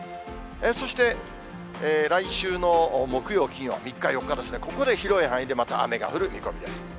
そして、来週の木曜、金曜、３日、４日ですね、ここで広い範囲でまた雨が降る見込みです。